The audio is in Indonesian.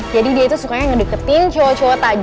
jadi dia itu sukanya ngedeketin cowok cowok tajam